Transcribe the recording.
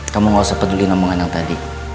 kamu gak usah peduli ngomongan yang tadi